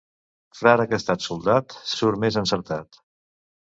Frare que ha estat soldat, surt més encertat.